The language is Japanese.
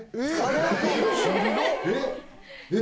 えっ！？